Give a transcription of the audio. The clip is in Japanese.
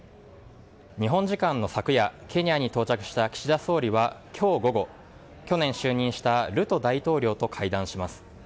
日本時間の昨夜ケニアに到着した岸田総理は今日午後、去年就任したルト大統領と会談します。